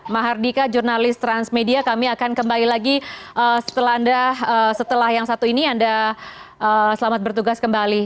mahardika jurnalis transmedia kami akan kembali lagi setelah anda setelah yang satu ini anda selamat bertugas kembali